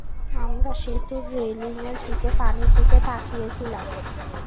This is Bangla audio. আমরা সেতুর রেলিংয়ে ঝুঁকে পানির দিকে তাকিয়ে ছিলাম।